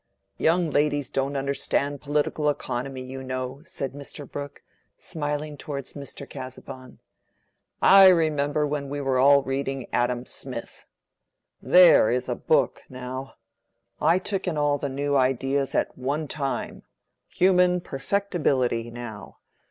"Young ladies don't understand political economy, you know," said Mr. Brooke, smiling towards Mr. Casaubon. "I remember when we were all reading Adam Smith. There is a book, now. I took in all the new ideas at one time—human perfectibility, now.